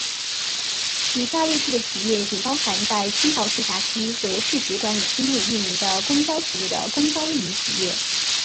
以下列出的企业仅包含在青岛市辖区和市直管理区内运营的公交企业的公交运营企业。